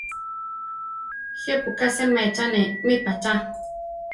¿Je pu ka seméchane mí pa chá?